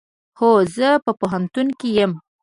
هو، زه په پوهنتون کې یم